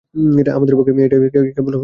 আমাদের পক্ষে এই জগৎ কেবল তরঙ্গ মাত্র।